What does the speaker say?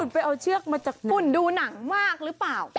ไปเอาเชือกมาจากฝุ่นดูหนังมากหรือเปล่า